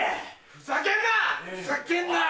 ふざけんなよ！